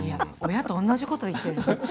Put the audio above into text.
親と同じこと言っている。